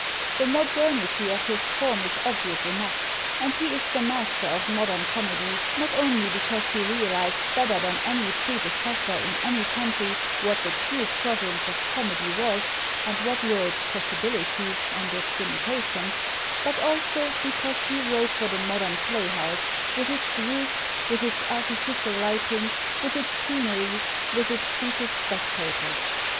The modernity of his form is obvious enough, and he is the master of modern comedy, not only because he realized better than any prede cessor in any country what the true province of 220 THE MODERNITY OF MOLIERE comedy was and what were its possibilities and its limitations but also because he wrote for the modern playhouse, with its roof, with its artificial lighting, with its scenery, with its seated spectators.